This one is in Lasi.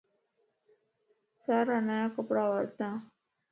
سارا نيا ڪپڙا ورتان